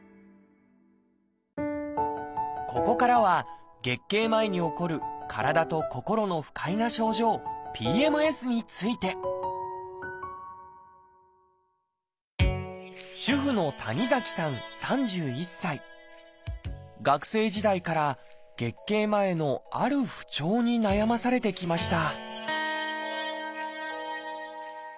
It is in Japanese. ここからは月経前に起こる体と心の不快な症状「ＰＭＳ」について主婦の学生時代から月経前のある不調に悩まされてきました